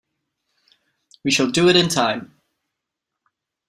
We shall do it in time.